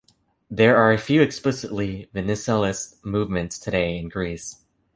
There are few explicitly "Venizelist" movements today in Greece.